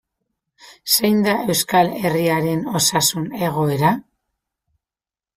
Zein da Euskal Herriaren osasun egoera?